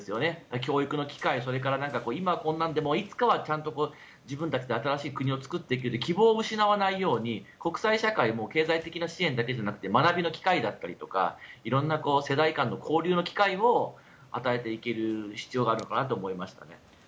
教育の機会そして今はこんなんでもいつかは自分たちで新しい国を作っていける希望を失わないように国際社会も経済的な支援だけじゃなくて学びの機会だったり世代間の交流の機会を与えていける必要があるかと思います。